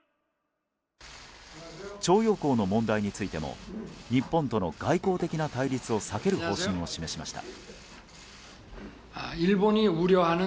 徴用工の問題についても日本との外交的な対立を避ける方針を示しました。